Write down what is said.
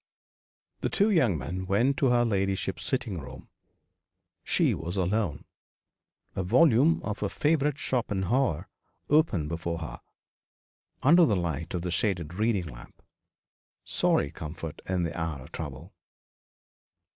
The two young men went to her ladyship's sitting room. She was alone, a volume of her favourite Schopenhauer open before her, under the light of the shaded reading lamp. Sorry comfort in the hour of trouble!